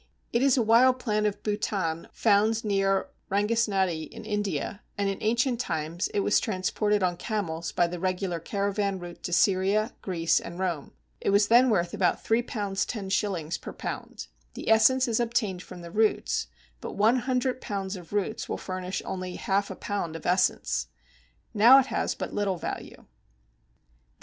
It is a wild plant of Bhutan found near Rangasnati, in India, and in ancient times it was transported on camels by the regular caravan route to Syria, Greece, and Rome. It was then worth about £3. 10s. per lb. The essence is obtained from the roots, but one hundred pounds of roots will furnish only half a pound of essence. Now it has but little value. Heuzé, Les Plantes Industrielles.